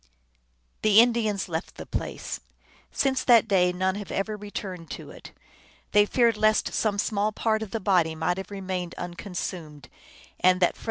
The Indians left the place ; since that day none have ever returned to it. They feared lest some small part of the body might have remained unconsumed, and 1 The Micmac version gives guns.